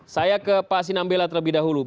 saya ke pak sinambela terlebih dahulu